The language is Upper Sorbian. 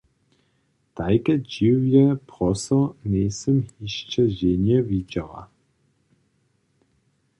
Tajke dźiwje proso njejsym hišće ženje widźała.